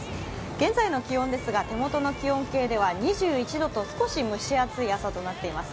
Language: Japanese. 現在の気温ですが、手元の気温計では２１度と少し蒸し暑い朝となっています。